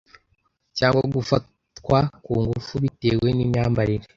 cyangwa gufatwa ku ngufu bitewe n’imyambarire.